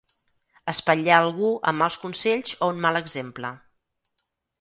Espatllar algú amb mals consells o un mal exemple.